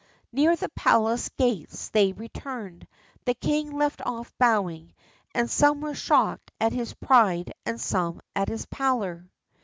Near the palace gates as they returned, the king left off bowing, and some were shocked at his pride and some at his pallor.